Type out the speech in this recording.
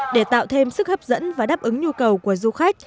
để tạo thêm sức hấp dẫn và đáp ứng nhu cầu của du khách